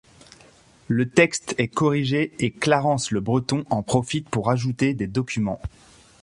Le texte est corrigé et Clarence LeBreton en profite pour ajouter des documents.